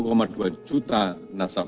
yang belum mendapat akses pendanaan formal